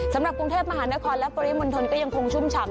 สำหรับกรุงเทพมหานครและปริมณฑลก็ยังคงชุ่มฉ่ำ